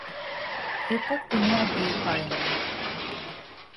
এরপর তিনি আর বিয়ে করেননি।